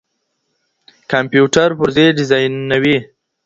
کمپيوټر پرزې ډيزاينوي.